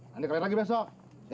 nanti kelar lagi besok